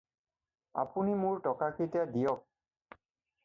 আপুনি মোৰ টকাকেইটা দিয়ক।